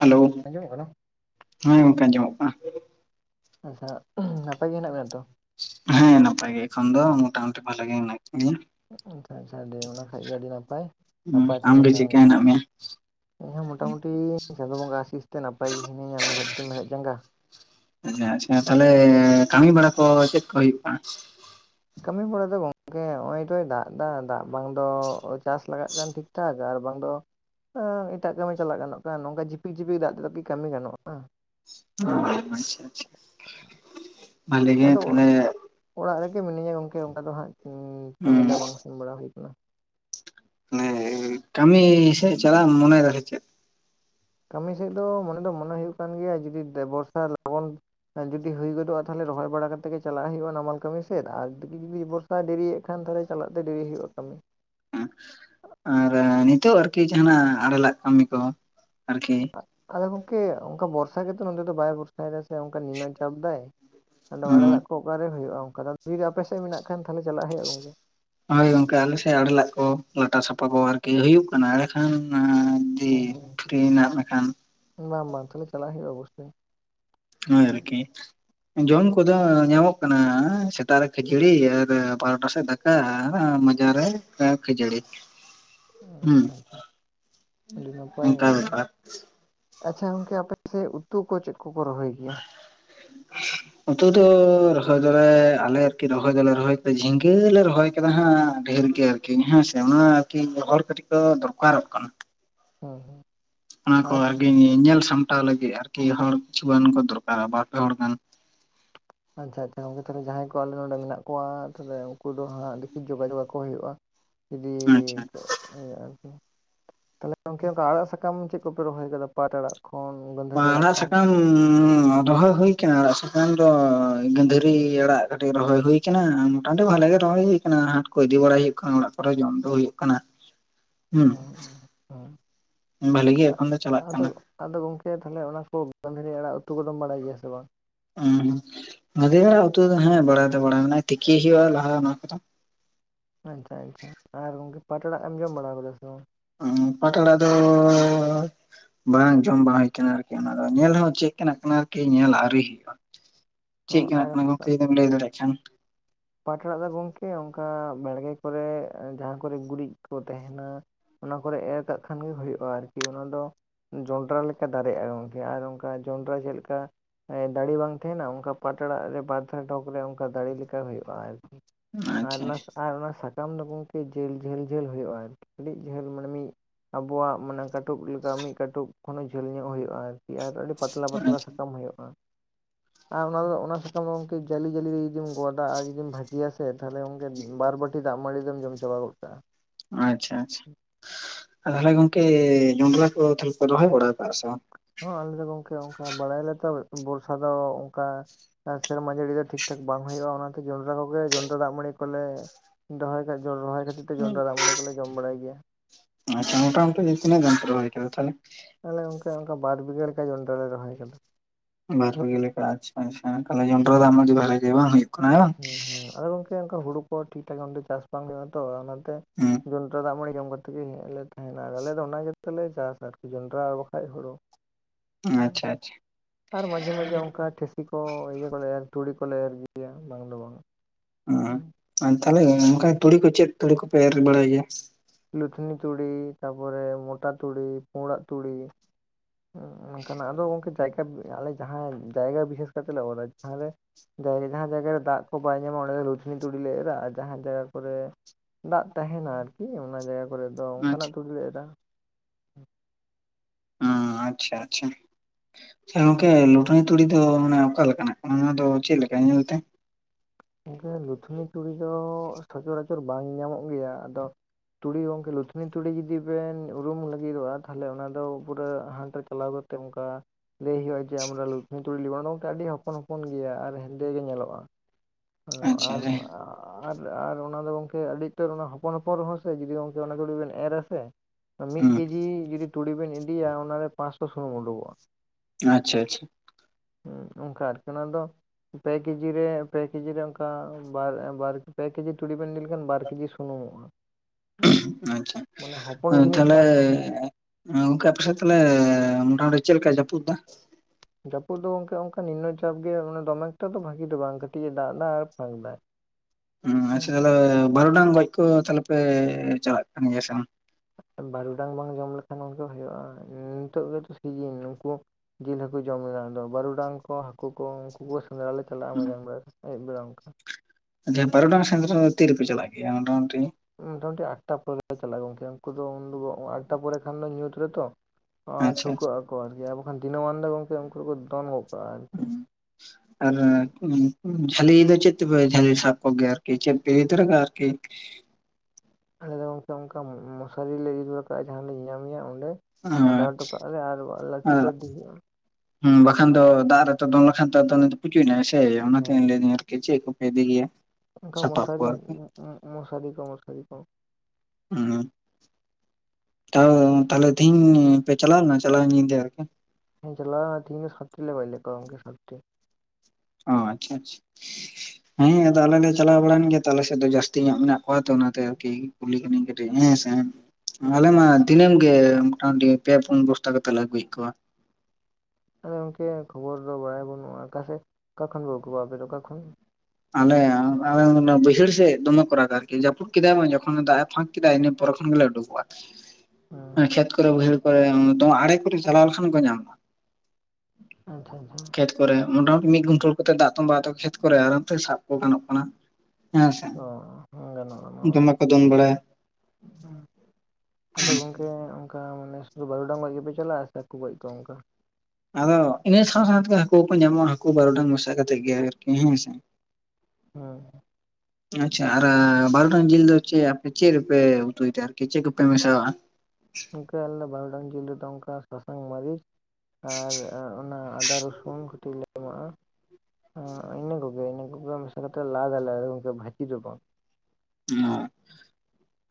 Hello, ᱟᱸᱡᱚᱢᱚᱜ ᱠᱟᱱᱟ? ᱦᱮᱸ ᱜᱚᱝᱠᱮ ᱟᱸᱡᱚᱢᱚᱜ ᱠᱟᱱᱟ? ᱟᱪᱪᱷᱟ, ᱱᱟᱯᱟᱭ ᱜᱮ ᱦᱮᱱᱟᱜ ᱵᱮᱱᱟ ᱛᱚ? ᱦᱮᱸ ᱱᱟᱯᱟᱭ ᱜᱮ ᱮᱠᱷᱚᱱ ᱫᱚ ᱢᱚᱴᱟᱢᱩᱴᱤ ᱵᱷᱟᱞᱮ ᱜᱮ ᱦᱮᱱᱟᱜ ᱞᱤᱧᱟ᱾ ᱟᱪᱪᱷᱟ ᱟᱪᱪᱷᱟ, ᱟᱹᱰᱤ ᱚᱱᱟ ᱠᱷᱟᱡ ᱜᱮ ᱟᱹᱰᱤ ᱱᱟᱯᱟᱭ ᱦᱩᱸ ᱱᱟᱯᱟᱭ ᱛᱟᱦᱮᱸᱱ ᱟᱢᱜᱮ ᱞᱮᱠᱷᱟᱱ ᱪᱮᱫᱠᱟ ᱜᱮ ᱦᱮᱱᱟᱜ ᱢᱮᱭᱟ [unintelligible] ᱤᱧᱦᱚᱸ ᱢᱚᱴᱟᱢᱩᱴᱤ ᱪᱟᱸᱫᱳ ᱵᱚᱸᱜᱟ ᱟᱥᱤᱥ ᱛᱮ ᱱᱟᱯᱟᱭ ᱜᱮ ᱦᱤᱱᱟᱧᱟ ᱢᱮᱬᱦᱮᱫ ᱛᱤ ᱢᱮᱲᱦᱮᱫ ᱡᱟᱸᱜᱟ᱾ ᱟᱪᱪᱷᱟ ᱟᱪᱪᱷᱟ ᱛᱟᱦᱞᱮ ᱠᱟᱹᱢᱤ ᱵᱟᱲᱟ ᱠᱚ ᱪᱮᱫ ᱠᱚ ᱦᱩᱭᱩᱜ ᱠᱟᱱᱟ? ᱠᱟᱹᱢᱤ ᱵᱟᱲᱟ ᱫᱚ ᱜᱚᱝᱠᱮ ᱦᱚᱸᱜ-ᱚᱭ ᱫᱚᱭ ᱫᱟᱜ ᱫᱟ, ᱫᱟᱜ ᱵᱟᱝ ᱫᱚ ᱪᱟᱥ ᱞᱟᱜᱟᱜ ᱠᱟᱱ ᱴᱷᱤᱠᱼᱼ ᱴᱷᱟᱠ ᱟᱨ ᱵᱟᱝ ᱫᱚ ᱮᱴᱟᱜ ᱠᱟᱹᱢᱤ ᱪᱟᱞᱟᱜ ᱜᱟᱱᱚᱜ ᱠᱟᱱ ᱱᱚᱝᱠᱟ ᱡᱤᱯᱤᱠ ᱡᱤᱯᱤᱠ ᱫᱟᱜ ᱛᱮᱫᱚ ᱠᱤ ᱠᱟᱹᱢᱤ ᱜᱟᱱᱚᱜᱼᱟ᱾ ᱚᱸᱻ ᱟᱪᱪᱷᱟ ᱟᱪᱪᱷᱟ, ᱵᱷᱟᱞᱮ ᱜᱮ ᱟᱫᱚ ᱛᱟᱦᱞᱮ ᱚᱲᱟᱜ ᱨᱮᱜᱮ ᱢᱤᱱᱟᱹᱧᱟ ᱜᱚᱝᱠᱮ ᱚᱱᱠᱟ ᱫᱚ ᱦᱟᱸᱜ ᱠᱟᱹᱢᱤ ᱦᱩᱸ ᱫᱚ ᱵᱟᱝ ᱥᱮᱱ ᱵᱟᱲᱟ ᱦᱩᱭᱩᱜ ᱠᱟᱱᱟ᱾ ᱢᱟᱱᱮ ᱠᱟᱹᱢᱤ ᱥᱮᱫ ᱪᱟᱞᱟᱜ ᱮᱢ ᱢᱚᱱᱮᱭ ᱫᱟ ᱪᱮᱫ? ᱠᱟᱹᱢᱤ ᱥᱮᱫ ᱫᱚ ᱢᱚᱱᱮ ᱫᱚ ᱢᱚᱱᱮ ᱦᱩᱭᱩᱜ ᱠᱟᱱ ᱜᱮᱭᱟ ᱡᱩᱫᱤ ᱵᱮᱵᱚᱥᱛᱟ [unintelligible] ᱡᱩᱫᱤ ᱦᱩᱭ ᱜᱚᱫᱚᱜᱼᱟ ᱛᱟᱦᱞᱮ ᱨᱚᱦᱚᱭ ᱵᱟᱲᱟ ᱠᱟᱛᱮᱜ ᱜᱮ ᱪᱟᱞᱟᱜ ᱦᱩᱭᱩᱜᱼᱟ ᱱᱟᱢᱟᱞ ᱠᱟᱹᱢᱤ ᱥᱮᱫ [unintelligible] ᱵᱚᱨᱼᱼ ᱥᱟ ᱫᱤᱨᱤᱭᱮᱫ ᱠᱷᱟᱱ ᱛᱟᱦᱞᱮ ᱪᱟᱞᱟᱜ ᱛᱮ ᱫᱮᱨᱤ ᱦᱩᱭᱩᱜᱼᱟ ᱠᱟᱹᱢᱤ᱾ ᱟᱨ ᱱᱤᱛᱳᱜ ᱟᱨᱠᱤ ᱡᱟᱦᱟᱱᱟᱜ ᱟᱲᱮ ᱞᱟᱜ ᱠᱟᱹᱢᱤ ᱠᱚ ᱟᱨᱠᱤ? ᱟᱫᱚ ᱜᱚᱝᱠᱮ ᱚᱱᱠᱟ ᱵᱚᱨᱥᱟ ᱜᱮᱛᱚ ᱱᱚᱰᱮ ᱫᱚ ᱵᱟᱭ ᱵᱚᱨᱥᱟᱭ ᱦᱨᱮᱥᱮ ᱚᱱᱠᱟ ᱱᱤᱱᱱᱚ ᱪᱟᱯ ᱫᱟᱭ ᱟᱫᱚ ᱦᱩᱸ ᱟᱲᱮ ᱞᱟᱜ ᱠᱚ ᱚᱠᱟᱨᱮ ᱦᱩᱭᱩᱜᱼᱟ ᱚᱱᱠᱟ ᱨᱮ [unintelligible] ᱟᱯᱮ ᱥᱮᱫ ᱢᱮᱱᱟᱜ ᱠᱷᱟᱱ ᱛᱟᱦᱞᱮ ᱪᱟᱞᱟᱜ ᱦᱩᱭᱩᱜᱼᱟ ᱜᱚᱢᱠᱮ᱾ ᱦᱳᱭ ᱜᱚᱝᱠᱮ ᱟᱞᱮᱥᱮᱫ ᱟᱲᱮ ᱞᱟᱜ ᱠᱚ ᱞᱟᱴᱟ ᱥᱟᱯᱷᱟ ᱠᱚ ᱟᱨᱠᱤ ᱦᱩᱭᱩᱜ ᱠᱟᱱᱟ ᱮᱸᱰᱮᱠᱷᱟᱱ ᱡᱩᱫᱤ ᱦᱩᱸ ᱯᱨᱤ ᱢᱮᱱᱟᱜ ᱢᱮᱠᱷᱟᱱ᱾ ᱵᱟᱝ ᱵᱟᱝ ᱛᱚᱦᱞᱮ ᱪᱟᱞᱟᱜ ᱦᱩᱭᱩᱜᱼᱟ ᱚᱵᱚᱥᱥᱳᱭ᱾ ᱦᱳᱭ ᱟᱨᱠᱤ᱾ ᱡᱚᱢ ᱠᱚᱫᱚ ᱧᱟᱢᱚᱜ ᱠᱟᱱᱟ ᱥᱮᱛᱟᱜ ᱨᱮ ᱠᱷᱟᱹᱡᱟᱹᱲᱤ ᱟᱨ ᱵᱟᱨᱚᱴᱟ ᱥᱮᱫ ᱫᱟᱠᱟ᱾ ᱢᱟᱡᱟᱱ ᱨᱮ ᱠᱷᱟᱹᱡᱟᱹᱲᱤ᱾ ᱦᱩᱸ ᱟᱹᱰᱤ [inaudible] ᱱᱟᱯᱟᱭ ᱚᱝᱠᱟ ᱵᱮᱯᱟᱨ᱾ ᱟᱪᱪᱷᱟ ᱜᱚᱝᱠᱮ ᱟᱯᱮᱥᱮᱫ ᱩᱛᱩ ᱠᱚ ᱪᱮᱫ ᱠᱚᱠᱚ ᱨᱚᱦᱚᱭ ᱜᱮᱭᱟ? [inaudible] ᱩᱛᱩ ᱫᱚ ᱨᱚᱦᱚᱭ ᱫᱚᱞᱮ ᱟᱞᱮ ᱟᱨᱠᱤ ᱨᱚᱦᱚᱭ ᱫᱚᱞᱮ ᱨᱚᱦᱚᱭ ᱠᱟᱫᱟ ᱡᱷᱤᱸᱜᱟᱹ ᱞᱮ ᱨᱚᱦᱚᱭ ᱠᱟᱫᱟ ᱦᱟᱸᱜ ᱰᱷᱮᱨ ᱜᱮ ᱟᱨᱼᱼ ᱠᱤ ᱦᱮᱸᱥᱮ, ᱚᱱᱟ ᱟᱠᱷᱨᱤᱧ ᱦᱚᱲ ᱠᱟᱹᱴᱤᱡ ᱠᱚ ᱫᱚᱨᱠᱟᱨᱚᱜ ᱠᱟᱱᱟ᱾ ᱦᱳᱭ ᱦᱳᱭ ᱚᱱᱟ ᱠᱚ ᱟᱨᱠᱤ ᱧᱮᱞ ᱥᱟᱢᱴᱟᱣ ᱞᱟᱹᱜᱤᱫ ᱟᱨᱠᱤ ᱦᱚᱲ ᱠᱤᱪᱷᱩ ᱜᱟᱱ ᱠᱚ ᱫᱚᱨᱠᱟᱨᱟ ᱵᱟᱨᱯᱮ ᱦᱚᱲ ᱜᱟᱱ᱾ ᱟᱪᱪᱷᱟ ᱟᱪᱪᱷᱟ, ᱜᱚᱝᱠᱮ ᱛᱟᱦᱚᱞᱮ ᱡᱟᱦᱟᱸᱭ ᱠᱚ ᱟᱞᱮ ᱱᱚᱰᱮ ᱢᱮᱱᱟᱜ ᱠᱚᱣᱟ ᱛᱚᱵᱮ ᱩᱱᱠᱩ ᱫᱚ ᱦᱟᱸᱜ ᱫᱮᱠᱷᱤ ᱡᱳᱜᱟᱡᱚᱜ ᱟᱠᱚ ᱦᱩᱭᱩᱜᱼᱟ᱾ [inaudible] ᱡᱩᱫᱤ ᱟᱪᱪᱷᱟ [unintelligible] ᱟᱨᱠᱤ ᱛᱟᱦᱚᱞᱮ ᱜᱚᱝᱠᱮ ᱚᱱᱠᱟ ᱟᱲᱟᱜ ᱥᱟᱠᱟᱢ ᱪᱮᱫ ᱠᱚᱯᱮ ᱨᱚᱦᱚᱭ ᱟᱠᱟᱫᱟ ᱯᱟᱴ ᱟᱲᱟᱜ ᱠᱷᱚᱱ ᱜᱟᱹᱫᱷᱟᱹᱨᱤ ᱟᱲᱟᱜ [unintelligible] ᱠᱷᱚᱱ ᱥᱟᱠᱟᱢ ᱨᱚᱦᱚᱭ ᱦᱩᱭ ᱟᱠᱟᱱᱟ ᱟᱲᱟᱜ ᱥᱟᱠᱟᱢ ᱫᱚ ᱜᱟᱺᱫᱷᱟᱹᱨᱤ ᱟᱲᱟᱜ ᱠᱟᱹᱴᱤᱡ ᱨᱚᱦᱚᱭ ᱦᱩᱭ ᱠᱟᱱᱟ ᱾ ᱟᱰᱮ ᱵᱷᱟᱞᱮ ᱜᱮ ᱨᱚᱦᱚᱭ ᱦᱩᱭ ᱠᱟᱱᱟ ᱦᱟᱴ ᱠᱚ ᱤᱫᱤ ᱵᱟᱲᱟᱭ ᱦᱩᱭᱩᱜ ᱠᱟᱱᱟ ᱚᱲᱟᱜ ᱠᱚᱨᱮ ᱡᱚᱢ ᱫᱚ ᱦᱩᱭᱩᱜ ᱠᱟᱱᱟ ᱾ ᱦᱩᱸ ᱵᱷᱟᱞᱤ ᱜᱮ ᱮᱠᱷᱚᱱ ᱫᱚ ᱪᱟᱞᱟᱜ ᱟᱫᱚ ᱠᱟᱱᱟ ᱟᱫᱚ ᱜᱚᱝᱠᱮ ᱛᱟᱦᱚᱞᱮ ᱚᱱᱟ ᱠᱚ ᱜᱟᱺᱫᱷᱟᱹᱨᱤ ᱟᱲᱟᱜ ᱩᱛᱩ ᱠᱚᱫᱚᱢ ᱵᱟᱲᱟᱭ ᱜᱮᱭᱟ ᱥᱮ ᱵᱟᱝ? ᱦᱩᱸ ᱦᱩᱸ [unintelligible] ᱩᱛᱩ ᱫᱚ ᱦᱮᱸ ᱵᱟᱲᱟᱭ ᱫᱚ ᱵᱟᱲᱟᱭ ᱢᱮᱱᱟᱜ, ᱛᱤᱠᱤᱭ ᱦᱩᱭᱩᱜᱼᱟ ᱞᱟᱦᱟ ᱚᱱᱟ ᱠᱚᱫᱚ ᱟᱪᱪᱷᱟ ᱟᱪᱪᱷᱟ, ᱟᱨ ᱜᱚᱝᱠᱮ ᱯᱟᱴ ᱟᱲᱟᱜ ᱮᱢ ᱡᱚᱢ ᱵᱟᱲᱟᱣ ᱠᱟᱫᱟ ᱥᱮ ᱵᱟᱝ? ᱦᱩᱸ ᱯᱟᱴ ᱟᱲᱟ ᱫᱚᱻ ᱵᱟᱝ ᱡᱚᱢ ᱵᱟᱝ ᱦᱩᱭ ᱟᱠᱟᱱᱟ ᱟᱨᱠᱤ ᱚᱱᱟ ᱫᱚ ᱧᱮᱞ ᱦᱚᱸ ᱪᱮᱫ ᱞᱮᱠᱟᱱᱟᱜ ᱠᱟᱱᱟ ᱟᱨᱠᱤ ᱧᱮᱞ ᱟᱹᱣᱨᱤ ᱦᱩᱭᱩᱜᱼᱟ ᱾ ᱚ ᱪᱮᱫ ᱠᱟᱱᱟᱜ ᱟᱨ ᱠᱟᱱᱟ ᱜᱚᱝᱠᱮ ᱡᱩᱫᱤᱢ ᱞᱟᱹᱭ ᱫᱟᱲᱮᱭᱟᱜ ᱠᱷᱟᱱ ᱯᱟᱴ ᱟᱲᱟ ᱫᱚ ᱜᱚᱝᱠᱮ ᱚᱱᱠᱟ ᱵᱟᱲᱜᱮ ᱠᱚᱨᱮ ᱡᱟᱦᱟᱸ ᱠᱚᱨᱮ ᱜᱩᱨᱤᱡ ᱠᱚ ᱛᱟᱦᱮᱸᱱᱟ ᱾ ᱚᱱᱟ ᱠᱚᱨᱮ ᱮᱨ ᱠᱟᱜ ᱠᱷᱟᱱ ᱜᱮ ᱦᱩᱭᱩᱜᱼᱟ ᱟᱨᱠᱤ ᱚᱱᱟ ᱫᱚ ᱡᱚᱸᱰᱨᱟ ᱞᱮᱠᱟ ᱫᱟᱨᱮᱜᱼᱟ ᱜᱚᱝᱠᱮ ᱟᱨ ᱚᱱᱠᱟ ᱡᱚᱸᱰᱨᱟ ᱪᱮᱫ ᱞᱮᱠᱟ ᱫᱟᱲᱤ ᱵᱟᱝ ᱛᱟᱦᱮᱱᱟ ᱚᱱᱠᱟ ᱯᱟᱴ ᱟᱲᱟᱜ ᱨᱮ ᱵᱟᱫᱷᱟ ᱰᱚᱜᱽ ᱨᱮ ᱚᱱᱠᱟ ᱫᱟᱲᱮ ᱞᱮᱠᱟ ᱦᱩᱭᱩᱜᱼᱟ ᱾ ᱟᱨ ᱟᱪᱪᱷᱟ ᱟᱪᱪᱷᱟ ᱟᱨ ᱚᱱᱟ ᱥᱟ ᱥᱟᱠᱟᱢ ᱫᱚ ᱜᱚᱝᱠᱮ ᱡᱷᱟᱹᱞ ᱡᱷᱟᱹᱞ ᱡᱷᱟᱹᱞ ᱦᱳᱭᱳᱜᱼᱟ ᱟᱨ ᱠᱟᱹᱴᱤᱡ ᱡᱷᱟᱹᱞ ᱢᱟᱱᱮ ᱢᱤᱫ ᱟᱵᱚᱣᱟᱜ ᱢᱟᱱᱮ ᱠᱟᱹᱴᱩᱵ ᱞᱮᱠᱟ ᱢᱤᱜ ᱠᱟᱹᱴᱩᱵ ᱠᱷᱚᱱ ᱦᱚᱸ ᱡᱷᱟᱹᱞ ᱧᱚᱜ ᱦᱩᱭᱩᱜᱼᱟ ᱟᱨᱠᱤ᱾ ᱟᱹᱰᱤ ᱯᱟᱛᱞᱟ ᱯᱟᱛᱞᱟ ᱟᱪᱪᱷᱟ ᱥᱟᱠᱟᱢ ᱦᱳᱭᱳᱜᱼᱟ᱾ ᱟᱨ ᱚᱱᱟᱫᱚ ᱚᱱᱟ ᱜᱚᱝᱠᱮ ᱡᱟᱹᱞᱤ ᱡᱟᱹᱞᱤ ᱨᱮ ᱡᱩᱫᱤᱢ ᱜᱚᱫᱟ ᱟᱨ ᱡᱩᱫᱤᱢ ᱵᱷᱟᱹᱡᱤᱭᱟ ᱥᱮ ᱛᱟᱦᱚᱞᱮ ᱜᱚᱝᱠᱮ ᱵᱟᱨ ᱵᱟᱹᱴᱤ ᱫᱟᱜ ᱢᱟᱲᱤ ᱫᱚᱢ ᱡᱚᱢ ᱪᱟᱵᱟ ᱜᱚᱜ ᱠᱟᱜᱼᱟ ᱾ ᱟᱪᱪᱷᱟ ᱟᱪᱪᱷᱟ ᱾ ᱛᱟᱦᱚᱞᱮ ᱜᱚᱝᱠᱮ ᱡᱚᱸᱰᱽᱨᱟ ᱠᱚ ᱛᱟᱦᱚᱞᱮ ᱯᱮ ᱨᱚᱦᱚᱭ ᱵᱟᱲᱟ ᱟᱠᱟᱜᱼᱟ ᱥᱮ ᱵᱟᱝ? ᱦᱮ ᱟᱞᱮ ᱫᱚ ᱜᱚᱝᱠᱮ ᱚᱱᱠᱟ ᱵᱟᱲᱟᱭᱟᱞᱮ ᱛᱚ ᱵᱚᱨᱥᱟ ᱫᱚ ᱚᱱᱠᱟ, ᱟᱨ ᱥᱮᱨᱢᱟ ᱡᱟᱹᱲᱤ ᱫᱚ ᱴᱷᱤᱠ ᱴᱷᱟᱠ ᱵᱟᱝ ᱦᱩᱭᱩᱜᱼᱟ, ᱚᱱᱟᱛᱮ ᱡᱚᱸᱰᱽᱨᱟ ᱠᱚᱜᱮ ᱡᱚᱸᱰᱽᱨᱟ ᱫᱟᱜ ᱢᱟᱹᱲᱤ ᱠᱚᱞᱮ [unintelligible] ᱨᱚᱦᱚᱭ ᱠᱷᱟᱹᱛᱤᱨ ᱛᱮ ᱡᱚᱸᱰᱽᱨᱟ ᱫᱟᱜ ᱢᱟᱲᱤ ᱠᱚᱞᱮ ᱡᱚᱢ ᱵᱟᱲᱟᱭ ᱜᱮᱭᱟ ᱾ ᱟᱪᱪᱷᱟ ᱾ ᱢᱳᱴᱟᱢᱩᱴᱤ ᱛᱤᱱᱟᱹᱜ ᱜᱟᱱ ᱯᱮ ᱨᱚᱦᱚᱭ ᱠᱟᱫᱟ ᱛᱟᱦᱚᱞᱮ? ᱟᱞᱮ ᱜᱚᱝᱠᱮ ᱚᱱᱠᱟ ᱵᱟᱨ ᱵᱤᱜᱷᱟᱹ ᱞᱮᱠᱟ ᱡᱚᱸᱰᱽᱨᱟ ᱞᱮ ᱨᱚᱦᱚᱭ ᱟᱠᱟᱫᱟ ᱾ ᱵᱟᱨ ᱵᱤᱜᱷᱟ ᱞᱮᱠᱟ ᱟᱪᱪᱷᱟ ᱟᱪᱪᱷᱟ᱾ ᱛᱟᱦᱚᱞᱮ ᱡᱚᱸᱰᱽᱨᱟ ᱫᱚ ᱟᱭᱢᱟ ᱜᱮ ᱵᱷᱟᱹᱞᱤ ᱜᱮ ᱵᱟᱝ ᱦᱩᱭᱩᱜ? ᱠᱟᱱᱟ ᱵᱟᱝ? ᱦᱩᱸ ᱦᱩᱸ ᱟᱫᱚ ᱜᱚᱝᱠᱮ ᱚᱱᱠᱟ ᱦᱩᱲᱩ ᱠᱚ ᱴᱷᱤᱠ ᱴᱷᱟᱠ ᱛᱮ ᱪᱟᱥ ᱵᱟᱝ ᱦᱩᱭᱩᱜᱼᱟ ᱛᱚ ᱚᱱᱟᱛᱮ, ᱦᱮᱸ᱾ ᱡᱚᱸᱰᱨᱟ ᱫᱟᱜ ᱢᱟᱹᱲᱤ ᱡᱚᱢ ᱠᱟᱛᱜ ᱜᱮ ᱦᱮᱸ ᱞᱮ ᱛᱟᱦᱮᱱᱟ, ᱟᱞᱮ ᱫᱚ ᱚᱱᱟ ᱜᱮ ᱛᱟᱞᱮ ᱪᱟᱥ ᱟᱨᱠᱤ ᱡᱚᱸᱰᱨᱟ ᱟᱨ ᱵᱟᱠᱷᱟᱡ ᱦᱳᱲᱳ᱾ ᱟᱪᱪᱷᱟ ᱟᱪᱪᱷᱟ᱾ ᱟᱨ ᱢᱟᱡᱷᱮ ᱢᱟᱡᱷᱮ ᱚᱱᱠᱟ ᱴᱷᱮᱥᱤ ᱠᱚ ᱤᱭᱟᱹ ᱠᱚᱞᱮ ᱮᱨ ᱛᱩᱲᱤ ᱠᱚᱞᱮ ᱮᱨ ᱜᱮᱭᱟ ᱵᱟᱝ ᱫᱚ ᱵᱟᱝᱟ ᱦᱩᱸ ᱛᱟᱦᱚᱞᱮ ᱚᱱᱠᱟᱱ ᱛᱩᱲᱤ ᱠᱚ ᱪᱮᱫ ᱛᱩᱲᱤ ᱠᱚᱯᱮ ᱮᱨ ᱵᱟᱲᱟᱭ ᱜᱮᱭᱟ? ᱞᱩᱛᱷᱱᱤ ᱛᱩᱲᱤ ᱛᱟᱯᱚᱨᱮ ᱢᱚᱴᱟ ᱛᱩᱲᱤ ᱯᱩᱲᱟᱜ ᱛᱩᱲᱤ᱾ ᱦᱩᱸ ᱚᱱᱠᱟ ᱱᱟᱜ ᱟᱫᱚ ᱜᱚᱢᱠᱮ ᱡᱟᱭᱜᱟ ᱟᱞᱮ ᱡᱟᱦᱟᱸ ᱡᱟᱭᱜᱟ ᱵᱤᱥᱮᱥ ᱠᱟᱛᱮ ᱞᱮ ᱮᱨᱟ᱾ ᱡᱟᱦᱟᱸᱨᱮ ᱡᱟᱭᱨᱮ ᱡᱟᱦᱟᱸ ᱡᱟᱭᱜᱟ ᱨᱮ ᱫᱟᱜ ᱠᱚ ᱵᱟᱭ ᱧᱟᱢᱟ ᱚᱸᱰᱮ ᱫᱚ ᱞᱩᱛᱷᱱᱤ ᱛᱩᱲᱤ ᱞᱮ ᱮᱨᱟ᱾ ᱟᱨ ᱡᱟᱦᱟᱸ ᱡᱟᱭᱜᱟ ᱠᱚᱨᱮ ᱫᱟᱜ ᱛᱟᱦᱮᱱᱟ ᱟᱨᱠᱤ ᱚᱱᱟ ᱡᱟᱭᱜᱟ ᱠᱚᱨᱮ ᱫᱚ ᱚᱱᱠᱟ ᱟᱪᱪᱷᱟ ᱱᱟᱜ ᱛᱩᱲᱤ ᱞᱮ ᱮᱨᱟ᱾ ᱦᱩᱸ ᱟᱪᱪᱷᱟ ᱟᱪᱪᱷᱟ ᱾ ᱟᱪᱪᱷᱟ ᱜᱚᱝᱠᱮ ᱞᱩᱛᱷᱱᱤ ᱛᱩᱲᱤ ᱫᱚ ᱢᱟᱱᱮ ᱚᱠᱟ ᱞᱮᱠᱟᱱᱟᱜ ᱠᱟᱱᱟ ᱚᱱᱟ ᱫᱚ ᱪᱮᱜ ᱞᱮᱠᱟ ᱧᱮᱞ ᱛᱮ? ᱜᱚᱝᱠᱮ ᱞᱩᱛᱷᱱᱤ ᱛᱩᱲᱤ ᱫᱚ ᱥᱚᱪᱚᱨᱟᱪᱚᱨ ᱵᱟᱝ ᱧᱮᱞ ᱧᱟᱢᱚᱜ ᱜᱮᱭᱟ᱾ ᱟᱫᱚ ᱛᱩᱲᱤ ᱜᱚᱝᱠᱮ ᱞᱩᱛᱷᱱᱤ ᱛᱩᱲᱤ ᱡᱩᱫᱤ ᱵᱮᱱ ᱩᱨᱩᱢ ᱞᱟᱹᱜᱤᱫᱚᱜᱼᱟ, ᱛᱟᱦᱚᱞᱮ ᱚᱱᱟ ᱫᱚ ᱯᱩᱨᱟᱹ ᱦᱟᱴ ᱨᱮ ᱪᱟᱞᱟᱣ ᱠᱟᱛᱮ, ᱛᱮ ᱚᱝᱠᱟ, ᱞᱟᱹᱭ ᱦᱳᱭᱼᱟ ᱡᱮ ᱟᱢᱨᱟ ᱞᱩᱛᱷᱱᱤ ᱛᱩᱲᱤ ᱞᱤᱵᱚ, ᱚᱱᱮ ᱚᱱᱠᱟ ᱟᱹᱰᱤ ᱦᱚᱯᱚᱱ ᱦᱚᱯᱚᱱ ᱜᱮ ᱟᱨ ᱦᱮᱫᱮ ᱜᱮ ᱧᱮᱞᱚᱜᱼᱟ ᱾ ᱚ ᱟᱪᱪᱷᱟ ᱟᱨ ᱟᱪᱪᱷᱟ ᱟᱨ ᱟᱨ ᱚᱱᱟ ᱫᱚ ᱜᱚᱝᱠᱮ ᱟᱹᱰᱤ ᱩᱛᱟᱹᱨ ᱚᱱᱟ ᱦᱚᱯᱚᱱ ᱦᱚᱯᱚᱱ ᱨᱮᱦᱚᱸ ᱥᱮ ᱡᱩᱫᱤ ᱜᱚᱝᱠᱮ ᱚᱱᱟ ᱛᱩᱲᱤ ᱵᱮᱱ ᱮᱨᱟᱥᱮ, ᱢᱤᱜ ᱦᱩᱸ ᱠᱮᱡᱤ ᱡᱩᱫᱤ ᱛᱩᱲᱤ ᱵᱮᱱ ᱤᱫᱤᱭᱟ ᱚᱱᱟᱨᱮ ᱯᱟᱸᱥᱥᱚ ᱥᱩᱱᱩᱢ ᱩᱰᱩᱠᱚᱜᱼᱟ ᱾ ᱟᱪᱪᱷᱟ ᱟᱪᱪᱷᱟ ᱾ ᱦᱮᱸ ᱚᱱᱠᱟ ᱟᱨᱠᱤ ᱚᱱᱟ ᱫᱚ ᱯᱮ ᱠᱮᱡᱤ ᱨᱮ ᱯᱮ ᱠᱮᱡᱤ ᱨᱮ ᱚᱱᱠᱟ ᱵᱟᱨ, ᱵᱟᱨ ᱯᱮ ᱠᱮᱡᱤ ᱛᱩᱲᱤ ᱵᱮᱱ ᱤᱫᱤ ᱞᱮᱠᱷᱟᱱ ᱵᱟᱨ ᱠᱮᱡᱤ ᱥᱩᱱᱩᱢᱚᱜᱼᱟ᱾ ᱟᱪᱪᱷᱟ ᱢᱟᱱᱮ ᱦᱚᱯᱚᱱ ᱟᱫᱚ ᱡᱤᱱᱤᱥ ᱛᱟᱦᱟᱞᱮ ᱠᱟᱱ ᱨᱮᱦᱚᱸ ᱜᱚᱝᱠᱮ ᱟᱯᱮ ᱥᱮᱫ ᱛᱟᱦᱞᱮ ᱢᱚᱴᱟᱢᱩᱴᱤ ᱪᱮᱫ ᱞᱮᱠᱟᱭ ᱡᱟᱯᱩᱫ ᱫᱟ? ᱡᱟᱹᱯᱩᱜ ᱫᱚ ᱜᱚᱝᱠᱮ ᱚᱱᱠᱟ ᱱᱤᱢᱱᱚᱪᱟᱯ ᱜᱮ ᱫᱚᱢᱮ ᱮᱠᱴᱟ ᱫᱚ ᱵᱷᱟᱜᱤ ᱫᱚ ᱵᱟᱝ ᱠᱟᱹᱴᱤᱡ ᱮ ᱫᱟᱜ ᱮᱫᱟ ᱟᱨ ᱯᱷᱟᱸᱠ ᱫᱟ᱾ ᱟᱪᱪᱷᱟ ᱛᱟᱞᱦᱮ ᱵᱟᱨᱩᱰᱟᱝ ᱜᱚᱡᱽ ᱠᱚ ᱛᱟᱞᱦᱮ ᱯᱮ ᱪᱟᱞᱟᱜ ᱠᱟᱱ ᱜᱮᱭᱟ ᱥᱮ ᱵᱟᱝ? ᱵᱟᱨᱩᱰᱟᱝ ᱵᱟᱝ ᱡᱚᱢ ᱞᱮᱠᱷᱟᱱ ᱜᱚᱝᱠᱮ ᱦᱩᱭᱩᱜᱼᱟ, ᱱᱤᱛᱚᱜ ᱜᱮᱛᱚ ᱥᱤᱡᱤᱱ᱾ ᱱᱩᱠᱩ ᱡᱤᱞ ᱦᱟᱹᱠᱩ ᱡᱚᱢ ᱨᱮᱱᱟᱜ ᱫᱚ ᱵᱟᱹᱨᱩᱰᱟᱝ ᱠᱚ ᱦᱟᱹᱠᱩ ᱠᱚ, ᱩᱱᱠᱩ ᱠᱚ ᱥᱮᱸᱫᱽᱨᱟ ᱞᱮ ᱪᱟᱞᱟᱜᱼᱟ ᱢᱟᱡᱟᱱ ᱵᱮᱲᱟ ᱟᱭᱩᱵ ᱵᱮᱲᱟ ᱚᱱᱠᱟ ᱵᱟᱨᱩᱰᱟᱝ ᱥᱮᱸᱫᱽᱨᱟ ᱫᱚ ᱛᱤ ᱨᱮᱯᱮ ᱪᱟᱞᱟᱜ ᱜᱮᱭᱟ ᱢᱚᱴᱟᱢᱩᱴᱤ? ᱢᱳᱚᱴᱟᱢᱩᱴᱤ ᱟᱴᱴᱟ ᱯᱚᱨᱮ ᱪᱟᱞᱟᱜᱼᱟ ᱜᱚᱢᱠᱮ, ᱩᱱᱠᱩ ᱫᱚ ᱩᱱ ᱫᱚ ᱟᱴᱴᱟ ᱯᱚᱨᱮ ᱠᱷᱟᱱ ᱫᱚ ᱧᱩᱛ ᱨᱮᱛᱚ, ᱟᱪᱪᱷᱟ ᱴᱷᱟᱹᱠᱟᱹᱜ ᱟᱠᱚ ᱟᱨᱠᱤ ᱟᱨ ᱵᱟᱠᱷᱟᱱ ᱫᱤᱱᱟᱢᱟᱱ ᱫᱚ ᱜᱚᱝᱠᱮ ᱩᱱᱠᱩ ᱫᱚ ᱫᱚᱱ ᱜᱚᱜ ᱠᱟᱜᱼᱟ ᱟᱨᱠᱤ ᱦᱮᱸ᱾ ᱟᱨ ᱡᱷᱟᱹᱞᱤ ᱫᱚ ᱪᱮᱫ ᱛᱮᱯᱮ ᱡᱷᱟᱹᱞᱤ, ᱥᱟᱵ ᱠᱚᱜᱮᱭᱟ ᱟᱨᱠᱤ ᱪᱮᱫ ᱯᱮ ᱤᱫᱤ ᱛᱟᱨᱟ ᱠᱟᱜᱼᱟ ᱟᱨᱠᱤ᱾ ᱟᱞᱮ ᱫᱚ ᱜᱚᱝᱠᱮ ᱚᱱᱠᱟ ᱢᱚᱥᱟᱨᱤ ᱞᱮ ᱤᱫᱤ ᱛᱚᱨᱟ ᱠᱟᱜᱼᱟ, ᱡᱟᱦᱟᱸ ᱨᱮ ᱞᱮ ᱧᱮᱞ ᱧᱟᱢᱮᱭᱟ ᱚᱸᱰᱮ ᱟᱰᱟᱣ ᱟᱸ, ᱴᱚ ᱠᱟᱜᱼᱟ ᱞᱮ, ᱟᱨ ᱞᱟᱴᱷᱤ ᱠᱚ ᱟᱸ, ᱤᱫᱤ ᱦᱩᱭᱩᱜᱼᱟ᱾ ᱦᱩᱸ ᱵᱟᱠᱷᱟᱱ ᱫᱚ ᱫᱟᱜ ᱨᱮᱛᱚ ᱫᱚᱱ ᱞᱮᱠᱷᱟᱱ ᱫᱚ ᱯᱩᱪᱩᱭᱮᱱᱟᱭ ᱥᱮ ᱚᱱᱟᱛᱮᱧ ᱞᱟᱹᱭᱫᱟᱹᱧ ᱠᱮᱪᱮᱜ ᱠᱚᱯᱮ ᱤᱫᱤ ᱜᱮᱭᱟ ᱚᱱᱠᱟ ᱥᱟᱯᱟᱵ ᱠᱚ ᱢᱚᱥᱟᱨᱤ ᱟᱨᱠᱤ ᱢᱚᱥᱟᱨᱤ ᱠᱚ ᱢᱚᱥᱟᱨᱤ ᱠᱚ ᱩ ᱛᱟᱦᱞᱮ ᱛᱮᱦᱤᱧ ᱯᱮ ᱪᱟᱞᱟᱣᱱᱟ ᱪᱟᱞᱟᱣ ᱧᱤᱫᱟᱹ ᱟᱨᱠᱤ ᱪᱟᱞᱟᱜ ᱞᱮᱱᱟᱹᱧ ᱥᱟᱛᱴᱤ ᱞᱮ ᱜᱚᱡ ᱞᱮᱫ ᱠᱚᱣᱟ ᱠᱚᱢᱠᱮ ᱥᱟᱛᱴᱤ ᱚ ᱟᱪᱪᱷᱟ ᱟᱪᱪᱷᱟ ᱦᱮᱸ ᱟᱫᱚ ᱟᱞᱮ ᱞᱮ ᱪᱟᱞᱟᱣ ᱵᱟᱲᱟᱭᱮᱱ ᱜᱮᱭᱟ ᱛᱚ ᱟᱞᱮ ᱥᱮᱫ ᱫᱚ ᱡᱟᱹᱥᱛᱤ ᱧᱟᱜ ᱢᱮᱱᱟᱜ ᱠᱚᱣᱟ ᱛᱚ ᱚᱱᱟᱛᱮ ᱟᱨᱠᱤ ᱠᱩᱞᱤ ᱠᱟᱹᱱᱟᱹᱧ ᱠᱟᱹᱴᱤᱡ ᱦᱮᱸᱥᱮ ᱟᱞᱮ ᱢᱟ ᱫᱤᱱᱟᱹᱢ ᱜᱮ ᱢᱚᱴᱟᱢᱩᱴᱤ ᱯᱮ ᱯᱩᱱ ᱵᱚᱥᱛᱟ ᱠᱟ ᱠᱟᱛᱮᱛ ᱞᱮ ᱟᱹᱜᱩᱭᱮᱫ ᱠᱚᱣᱟ ᱛᱟᱦᱚᱞᱮ ᱜᱚᱝᱠᱮ ᱠᱷᱚᱵᱚᱨ ᱫᱚ ᱵᱟᱲᱟᱭ ᱵᱟᱹᱱᱩᱜᱼᱟ ᱚᱠᱟ ᱥᱮᱫ ᱚᱠᱟ ᱠᱷᱚᱱ ᱟᱹᱜᱩ ᱠᱚᱣᱟ ᱟᱯᱮ ᱫᱚ ᱚᱠᱟ ᱠᱷᱚᱱ ᱟᱞᱮ ᱵᱟᱹᱭᱦᱟᱹᱲ ᱥᱮᱮᱫ ᱫᱚᱢᱮ ᱠᱚᱨᱟᱟᱜᱟ ᱟᱨᱠᱤ ᱡᱟᱹᱯᱩᱫ ᱠᱮᱫᱟᱭ ᱵᱟᱝ ᱡᱚᱠᱷᱚᱱ ᱫᱟᱜ ᱮ ᱯᱷᱟᱸᱠ [inaudible] ᱤᱱᱟᱹ ᱯᱚᱨ ᱠᱷᱚᱱᱚᱱ ᱜᱮᱞᱮ ᱩᱰᱩᱠᱣᱟ ᱠᱷᱮᱛ ᱠᱚᱨᱮ ᱵᱟᱹᱭᱦᱟᱹᱲ ᱠᱚᱨᱮᱢ ᱟᱲᱮ ᱠᱚᱨᱮ ᱪᱟᱞᱟᱣ ᱞᱮᱠᱷᱟᱱ ᱠᱚ ᱧᱟᱢᱼᱟ [unintelligible] ᱠᱷᱮᱛ ᱠᱚᱨᱮ ᱢᱚᱴᱟᱢᱩᱴᱤ ᱢᱤᱫ ᱜᱷᱩᱱᱴᱟᱹᱲ ᱠᱟᱛᱮ ᱫᱟᱜ ᱛᱚᱸᱵᱟ ᱛᱚ ᱠᱷᱮᱛ ᱠᱚᱨᱮ ᱟᱨᱟᱢ ᱛᱮ ᱥᱟᱵ ᱠᱚ ᱜᱟᱱᱚᱜ ᱠᱟᱱᱟ ᱦᱮᱸ ᱥᱮ ᱫᱚᱢᱮ ᱠᱚ ᱫᱚᱱ ᱵᱟᱲᱟᱭᱟ ᱟᱫᱚ ᱜᱚᱝᱠᱮ ᱚᱱᱠᱟ ᱢᱟᱱᱮ ᱥᱩᱫᱩ ᱵᱟᱨᱩᱰᱟᱝ ᱜᱚᱡ ᱜᱮᱯᱮ ᱪᱟᱞᱟᱜᱼᱟ ᱥᱮ ᱦᱟᱹᱠᱩ ᱜᱚᱡ ᱠᱚᱣᱟ ᱚᱱᱠᱟ ᱟᱫᱚ ᱤᱱᱟᱹ ᱥᱟᱶ ᱥᱟᱶᱛᱮᱜ ᱦᱟᱹᱠᱩᱠᱚ ᱧᱟᱢᱚᱜᱼᱟ ᱦᱟᱹᱠᱩ ᱵᱟᱨᱩᱰᱟᱝ ᱢᱮᱥᱟ ᱠᱟᱛᱮᱜ ᱜᱮ ᱟᱨᱠᱤ ᱦᱮᱸ ᱥᱮ [unintelligible] ᱦᱮᱸ [unintelligible] ᱟᱪᱪᱷᱟ ᱟᱨ ᱵᱟᱨᱚᱴᱟᱝ ᱡᱤᱞ ᱫᱚ ᱦᱚᱮ ᱪᱮᱫ ᱨᱮᱯᱮ ᱩᱛᱩᱭᱮᱫᱟ ᱟᱨᱠᱤ ᱪᱮᱫ ᱠᱚᱯᱮ ᱢᱮᱥᱟᱟᱜᱼᱟ ᱚᱱᱟᱠᱟ ᱟᱞᱮ ᱵᱟᱨᱰᱟᱝ ᱡᱤᱞ ᱨᱮᱫᱚ ᱚᱱᱠᱟ ᱥᱟᱥᱟᱝ ᱢᱟᱹᱨᱤᱪ ᱟᱨ ᱚᱱᱟ ᱟᱫᱟ ᱨᱟᱹᱥᱩᱱ ᱠᱟᱹᱴᱤᱡ ᱞᱮ ᱮᱢᱟᱜᱼᱟ ᱤᱱᱟᱹ ᱠᱚᱜᱮ ᱤᱱᱟᱹ ᱠᱚᱜᱮ ᱢᱮᱥᱟ ᱠᱟ ᱠᱟᱛᱮᱛ ᱞᱟᱫ ᱟᱞᱮ ᱜᱚᱢᱠᱮ ᱵᱷᱟᱹᱡᱤ ᱫᱚ ᱵᱟᱝ [unintelligible]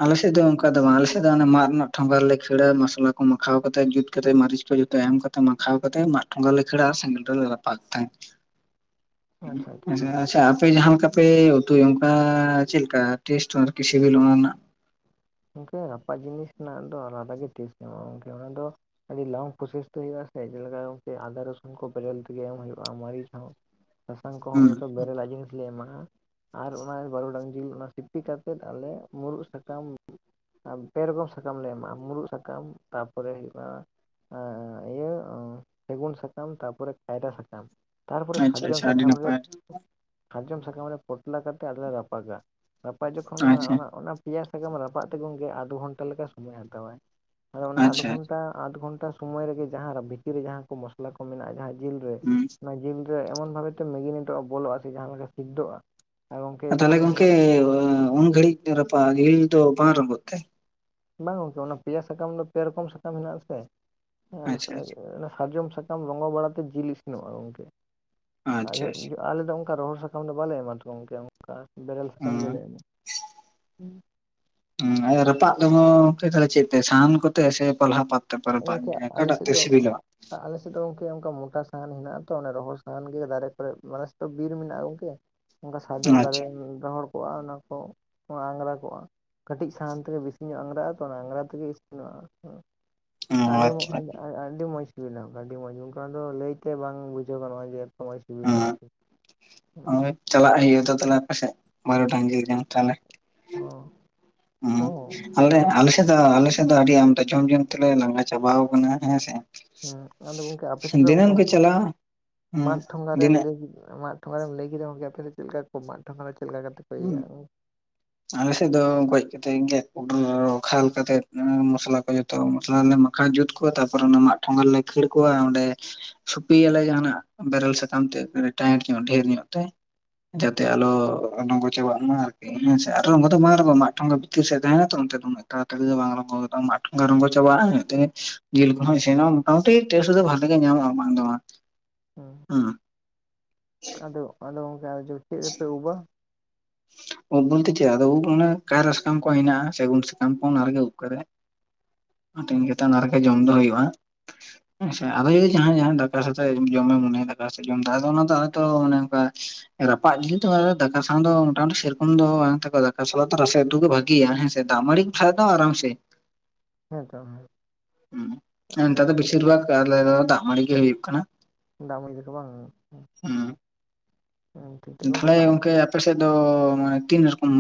ᱟᱞᱮᱥᱮᱫ ᱫᱚ ᱚᱱᱠᱟ ᱫᱚ ᱵᱟᱝ ᱟᱞᱮᱥᱮᱫ ᱫᱚ ᱢᱟᱫ ᱨᱮᱱᱟᱜ ᱴᱷᱚᱸᱜᱟ ᱨᱮᱞᱮ ᱠᱷᱳᱲᱟ ᱢᱚᱥᱞᱟ ᱠᱚ ᱢᱟᱷᱟᱣ ᱠᱟᱛᱮ ᱡᱩᱛ ᱠᱟᱛᱮᱛ ᱢᱤᱪ ᱠᱚ ᱮᱢ ᱠᱟᱛᱮ ᱢᱟᱠᱷᱟᱣ ᱠᱟᱛᱮᱛ ᱢᱟᱫ ᱴᱷᱚᱜᱟ ᱨᱮᱞᱮ ᱠᱷᱳᱲᱟ ᱥᱮᱸᱜᱮᱞ ᱨᱮᱞᱮ ᱨᱟᱯᱟᱜ ᱛᱟᱦᱮᱫ ᱟᱪ ᱟᱪᱪᱷᱟ ᱟᱯᱮ ᱡᱟᱦᱟᱸ ᱞᱮᱠᱟ ᱯᱮ ᱩᱛᱩᱭᱟ ᱚᱱᱠᱟ ᱪᱮᱫ ᱞᱮᱠᱟ ᱴᱮᱥᱴ ᱟᱨᱠᱤ ᱥᱤᱵᱤᱞ ᱚᱱᱟ ᱨᱮᱱᱟᱜ ᱜᱚᱢᱠᱮ ᱨᱟᱯᱟᱜ ᱡᱤᱱᱤᱥ ᱨᱮᱱᱟᱜ ᱫᱚ ᱟᱞᱟᱫᱟ ᱜᱮ ᱴᱮᱥᱴ ᱧᱟᱢᱚᱜᱼᱟ ᱜᱚᱢᱠᱮ ᱚᱱᱟ ᱫᱚ ᱟᱹᱰᱤ ᱞᱚᱝ ᱯᱨᱚᱥᱮᱥ ᱛᱮ ᱦᱳᱭᱳᱼᱟ ᱥᱮ ᱪᱮᱫᱞᱮᱠᱟ ᱜᱚᱢᱠᱮ ᱟᱫᱟ ᱨᱟᱹᱥᱩᱱ ᱠᱚ ᱵᱮᱨᱚᱞ ᱛᱮᱜᱮ ᱮᱢ ᱦᱩᱭᱩᱜᱼᱟ ᱢᱟᱨᱤᱪ ᱦᱚᱸ ᱥᱟᱥᱟᱝ ᱠᱚᱦᱚᱸ ᱦᱩᱸ ᱡᱚᱛᱚ ᱵᱮᱨᱮᱞ ᱡᱤᱱᱤᱥ ᱞᱮ ᱮᱢᱟᱜᱼᱟ ᱟᱨ ᱚᱱᱟ ᱵᱟᱹᱨᱰᱟᱝ ᱡᱤᱞ ᱚᱱᱟ ᱥᱤᱯᱤ ᱠᱟ ᱠᱟᱛᱮ [inaudible] ᱟᱞᱮ ᱢᱩᱨᱩᱫ ᱥᱟᱠᱟᱢ ᱯᱮ ᱨᱚᱠᱚᱢ ᱥᱟᱠᱟᱢ ᱞᱮ ᱮᱢᱟᱜ ᱢᱩᱨᱩᱫ ᱥᱟᱠᱟᱢ ᱛᱟᱨᱯᱚᱨᱮ ᱦᱩᱭᱩᱜᱼᱟ ᱤᱭᱟᱹ ᱥᱮᱜᱩᱱ ᱥᱟᱠᱟᱢ ᱛᱟᱨᱯᱚᱨᱮ ᱠᱟᱭᱨᱟ ᱥᱟᱠᱟᱢ ᱛᱟᱨᱯᱚᱨᱮ ᱟᱪᱪᱷᱟ ᱥᱟᱨᱡᱚᱢ ᱟᱪᱪᱷᱟ ᱟᱹᱰᱤ ᱥᱟᱠᱟᱢ ᱨᱮ ᱱᱟᱯᱟᱭ ᱥᱟᱨᱡᱚᱢ ᱥᱟᱠᱟᱢ ᱨᱮ ᱯᱚᱴᱱᱟ ᱠᱟᱛᱮᱜ ᱟᱞᱮ ᱞᱮ ᱨᱟᱯᱟᱜᱟ ᱨᱟᱯᱟᱜ ᱡᱚᱠᱷᱚᱱ ᱟᱪᱪᱷᱟ ᱚᱱᱟ ᱯᱮᱭᱟ ᱥᱟᱠᱟᱢ ᱨᱟᱯᱟᱜ ᱛᱮ ᱜᱚᱢᱠᱮ ᱟᱫᱷᱚ ᱜᱷᱚᱱᱴᱟ ᱞᱮᱠᱟ ᱥᱚᱢᱚᱭᱮ ᱦᱟᱛᱟᱣᱟᱭ ᱟᱫᱚ ᱚᱱᱟ ᱟᱫᱷᱚ ᱟᱪᱪᱷᱟ ᱜᱷᱚᱱᱴᱟ ᱟᱫᱷᱚ ᱜᱷᱚᱱᱴᱟ ᱥᱚᱢᱚᱭ ᱨᱮᱜᱮ ᱡᱟᱦᱟᱸ ᱵᱷᱤᱛᱤᱨ ᱨᱮ ᱡᱟᱦᱟᱸ ᱠᱚ ᱢᱚᱥᱚᱞᱟ ᱠᱚ ᱢᱮᱱᱟᱜᱼᱟ ᱡᱟᱦᱟᱸ ᱡᱤᱞ ᱨᱮ ᱦᱩᱸ ᱚᱱᱟ ᱡᱤᱞ ᱥᱮ ᱮᱢᱚᱱ ᱵᱷᱟᱵᱮ ᱛᱮ ᱢᱮᱜᱤ ᱢᱤᱫᱴᱟᱝ ᱵᱚᱞᱚᱜᱼᱟ ᱥᱮ ᱡᱟᱦᱟᱸ ᱞᱮᱠᱟ ᱥᱤᱫᱽᱫᱚᱜᱼᱟ ᱟᱨ ᱜᱚᱝᱠᱮ ᱛᱟᱦᱚᱞᱮ ᱡᱚᱠᱷᱚᱱ ᱜᱚᱝᱠᱮ ᱩᱱ ᱜᱷᱟᱹᱲᱤᱡ ᱨᱟᱯᱟᱜ ᱡᱤᱞ ᱫᱚ ᱵᱟᱝ ᱨᱚᱸᱜᱚᱜ ᱛᱮ ᱵᱟᱝ ᱜᱚᱝᱠᱮ ᱚᱱᱟ ᱯᱮᱭᱟ ᱥᱟᱠᱟᱢ ᱫᱚ ᱯᱮ ᱨᱚᱠᱚᱢ ᱥᱟᱠᱟᱢ ᱢᱮᱱᱟᱜ ᱟᱥᱮ ᱟᱪᱪᱷᱟ ᱟᱪᱪᱷᱟ ᱨᱟᱡᱚᱢ ᱨᱚᱝᱜᱚ ᱵᱟᱲᱟᱛᱮ ᱡᱤᱞ ᱤᱥᱤᱱᱚᱜᱼᱟ ᱜᱚᱝᱠᱮ ᱟᱪᱪᱷᱟ ᱟᱪᱪᱷᱟ ᱟᱞᱮ ᱫᱚ ᱚᱱᱠᱟ ᱨᱚᱦᱚᱲ ᱥᱟᱠᱟᱢ [inaudible] ᱵᱟᱞᱮ ᱚᱱᱠᱟ ᱵᱮᱨᱮᱮᱞ ᱦᱩᱸ ᱥᱟᱠᱟᱢ ᱜᱮᱞᱮ ᱮᱢᱼᱟ ᱨᱟᱯᱟᱜ ᱫᱩᱣᱟᱹ ᱜᱚᱢᱠᱮ ᱪᱮᱫ ᱠᱚᱛᱮ ᱥᱟᱦᱟᱱ ᱠᱚᱛᱮ ᱥᱮ ᱯᱟᱞᱦᱟ ᱯᱟᱛ ᱛᱟᱨ ᱯᱚᱨᱮ ᱨᱟᱯᱟᱜ ᱚᱠᱟᱴᱟᱜ ᱛᱮ ᱥᱤᱵᱤᱞᱼᱟ ᱟᱞᱮᱥᱮᱫ ᱫᱚ ᱜᱚᱝᱠᱮ ᱚᱝᱠᱟ ᱢᱳᱴᱟ ᱥᱟᱦᱟᱱ ᱦᱮᱱᱟᱜᱼᱟ ᱛᱚ ᱚᱱᱟ ᱨᱚᱦᱚᱲ ᱥᱟᱦᱟᱱ ᱜᱮ ᱫᱟᱨᱮ ᱠᱚᱨᱮ ᱢᱟᱱᱮ ᱥᱮᱫ ᱫᱚ ᱵᱤᱨ ᱢᱮᱱᱟᱜᱼᱟ ᱜᱚᱝᱠᱮ ᱥᱟᱨᱡᱚᱢ ᱟᱪᱪᱷᱟ ᱫᱟᱨᱮ ᱨᱚᱦᱚᱲ ᱠᱚᱜᱼᱟ ᱚᱱᱟ ᱠᱚ ᱟᱝᱜᱽᱨᱟ ᱠᱚᱜᱼᱟ ᱠᱟᱹᱴᱤᱡ ᱥᱟᱦᱟᱱ ᱛᱮᱜᱮ ᱵᱮᱥᱤ ᱧᱚᱜ ᱟᱝᱜᱽᱨᱟᱜᱼᱟ ᱛᱚ ᱚᱱᱟ ᱟᱝᱜᱽᱨᱟ ᱛᱮᱜᱮ ᱤᱥᱤᱱᱚᱜᱼᱟ ᱚ ᱟᱹᱰᱤ ᱟᱪᱪᱷᱟ ᱟᱹᱰᱤ ᱢᱚᱡᱽ ᱥᱤᱵᱤᱞᱟ ᱟᱹᱰᱤ ᱢᱚᱡᱽ ᱚᱝᱠᱟ ᱫᱚ ᱞᱟᱹᱭᱛᱮ ᱵᱟᱝ ᱵᱩᱡᱷᱟᱹᱣ ᱜᱟᱱᱚᱜᱼᱟ ᱡᱮ ᱮᱛᱚ ᱢᱚᱡᱽ ᱥᱤᱵᱤᱞᱟ ᱟᱨᱠᱤ ᱪᱟᱞᱟᱜ ᱦᱩᱭᱩᱜᱼᱟ ᱛᱚ ᱛᱟᱦᱚᱞᱮ ᱟᱯᱮᱥᱮᱡ ᱵᱟᱨᱩᱰᱟᱝ ᱜᱤᱞ ᱡᱚᱢ ᱛᱟᱦᱚᱞᱮ ᱚ ᱦᱮᱸ ᱚ ᱟᱞᱮ ᱟᱞᱮᱥᱮᱫ ᱫᱚ ᱟᱞᱮᱥᱮᱫ ᱫᱚ ᱟᱹᱰᱤ ᱟᱢᱫᱟ ᱡᱚᱢ ᱡᱚᱢ ᱛᱮᱞᱮ ᱞᱟᱸᱜᱟ ᱪᱟᱵᱟᱣ ᱟᱠᱟᱱᱟ ᱦᱮᱸ ᱥᱮ ᱦᱮᱸ ᱟᱫᱚ ᱜᱚᱝᱠᱮ ᱟᱯᱮᱥᱮᱫ ᱫᱚ ᱚᱱᱠᱟ ᱫᱤᱱᱟᱹᱢ ᱠᱚ ᱪᱟᱞᱟᱜᱼᱟ ᱦᱮᱸ ᱢᱟᱫ ᱴᱷᱚᱸᱜᱟ ᱨᱮᱢ ᱫᱤᱱᱟᱹᱜ ᱞᱟᱹᱭ ᱢᱟᱫ ᱴᱷᱚᱸᱜᱟ ᱨᱮᱢ ᱞᱟᱹᱭ ᱠᱮᱫᱟ ᱜᱚᱝᱠᱮ ᱟᱯᱮ ᱪᱮᱫ ᱞᱮᱠᱟ ᱠᱚ ᱢᱟᱫ ᱴᱷᱚᱸᱜᱟ ᱨᱮ ᱪᱮᱫ ᱞᱮᱠᱟ ᱠᱟᱛᱮ ᱠᱚ ᱦᱩᱱ ᱤᱭᱟᱹᱭᱟ ᱟᱞᱮᱥᱮᱫ ᱫᱚ ᱜᱚᱡ ᱠᱟᱛᱮᱜ ᱜᱮᱫ ᱠᱷᱟᱞ ᱠᱟᱛᱮᱜ ᱢᱚᱥᱚᱞᱟ ᱠᱚ ᱡᱚᱛᱚ ᱢᱚᱥᱚᱞᱟ ᱞᱮ ᱡᱩᱛ ᱠᱚᱣᱟ ᱛᱟᱨᱯᱚᱨᱮ ᱚᱱᱟ ᱢᱟᱫ ᱴᱷᱚᱸᱜᱟ ᱨᱮ ᱞᱮ ᱠᱷᱟᱹᱲ ᱠᱚᱣᱟ ᱚᱸᱰᱮ ᱥᱩᱯᱤᱭᱟᱞᱮ ᱡᱟᱦᱟᱱᱟᱜ ᱵᱮᱨᱮᱞ ᱥᱟᱠᱟᱢ ᱛᱮ ᱴᱟᱭᱤᱴ ᱧᱚᱜ ᱰᱷᱮᱨ ᱧᱚᱜ ᱛᱮ ᱦᱩᱸ ᱡᱟᱛᱮ ᱟᱞᱚ ᱨᱚᱝᱜᱚ ᱪᱟᱵᱟᱜ ᱢᱟ ᱟᱨᱠᱤ ᱤ ᱟᱨ ᱨᱚᱝᱜᱚ ᱫᱚ ᱵᱟᱝ ᱨᱚᱝᱜᱚ ᱢᱟᱫ ᱴᱷᱚᱸᱜᱟ ᱵᱷᱤᱛᱤᱨ ᱥᱮᱫ ᱛᱟᱦᱮᱱᱟ ᱛᱚ ᱚᱱᱛᱮ ᱫᱚᱱᱟᱹᱜ ᱫᱚ ᱵᱟᱝ ᱢᱟᱫ ᱴᱷᱚᱸᱜᱟ ᱨᱚᱝᱜᱚ ᱪᱟᱵᱟᱜᱼᱟ ᱤᱱᱟᱹ ᱠᱟᱛᱮ ᱡᱤᱞ ᱠᱚᱦᱚᱸ ᱤᱥᱤᱱᱚᱜ ᱴᱮᱥᱴ ᱫᱚ ᱵᱟᱜᱤ ᱜᱮ ᱧᱟᱢᱚᱜᱼᱟ ᱵᱟᱝ ᱫᱚ ᱵᱟᱝ ᱦᱮᱸ ᱦᱮᱸ ᱟᱫᱚ ᱟᱫᱚ ᱜᱚᱢᱠᱮ ᱪᱮᱫ ᱨᱮᱯᱮ ᱩᱵᱟ ᱩᱵ ᱵᱚᱞᱛᱮ ᱪᱮᱫ ᱟᱫᱚ ᱩᱵ ᱢᱚᱱᱮ ᱠᱟᱭᱨᱟ ᱥᱟᱠᱟᱢ ᱠᱚ ᱦᱮᱱᱟᱜᱼᱟ ᱥᱟᱹᱜᱩᱱ ᱥᱟᱠᱟᱢ ᱠᱚ ᱚᱱᱟ ᱨᱮᱜᱮ ᱩᱵ ᱠᱟᱨᱮ ᱦᱟᱹᱴᱤᱧ ᱠᱟᱛᱮ ᱚᱱᱟ ᱨᱮᱜᱮ ᱡᱚᱢ ᱫᱚ ᱦᱩᱭᱩᱜᱼᱟ ᱟᱪᱪᱷᱟ ᱟᱫᱚ ᱡᱩᱫᱤ ᱡᱟᱦᱟᱸᱭ ᱫᱟᱠᱟ ᱥᱟᱶᱛᱮ ᱡᱚᱢᱮ ᱢᱚᱱᱮᱭᱟ ᱫᱟᱠᱟ ᱥᱟᱶᱛᱮᱜ ᱡᱚᱢ ᱫᱚ ᱚᱱᱟ ᱫᱚᱛᱚ ᱢᱟᱱᱮ ᱚᱱᱠᱟ ᱨᱟᱯᱟᱜ ᱡᱤᱞ ᱫᱚ ᱫᱟᱠᱟ ᱥᱟᱶ ᱫᱚ ᱟᱨᱟᱢ ᱥᱮᱨᱚᱠᱚᱢ ᱫᱚ ᱵᱟᱝ ᱫᱟᱠᱟ ᱥᱟᱜ ᱨᱟᱥᱮ ᱩᱫᱜ ᱜᱮ ᱵᱷᱟᱜᱮᱭᱟ ᱦᱮᱸᱥᱮ ᱫᱟᱜ ᱢᱟᱹᱲᱤ ᱠᱷᱟᱱ ᱫᱚ ᱟᱨᱟᱢ ᱥᱮ ᱦᱮᱸᱛᱚ ᱦᱮᱸ ᱛᱮ ᱟᱫᱚ ᱫᱚ ᱵᱮᱥᱤᱨ ᱵᱷᱟᱜᱽ ᱟᱞᱮ ᱫᱚ ᱫᱟᱜ ᱢᱟᱹᱰᱤ ᱜᱮ ᱦᱩᱭᱩᱜ ᱠᱟᱱᱟ ᱫᱟᱜ ᱢᱟᱹᱰᱤ ᱠᱚ ᱵᱟᱝ ᱦᱮᱸ ᱴᱷᱤᱠ ᱴᱷᱟᱠ ᱜᱚᱝᱠᱮ ᱛᱟᱦᱚᱞᱮ ᱫᱟᱜ ᱜᱚᱢᱠᱮ ᱟᱯᱮᱥᱮᱫ ᱫᱚ ᱢᱟᱱᱮ ᱛᱤᱱ ᱨᱚᱠᱚᱢ